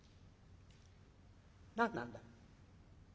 「何なんだい？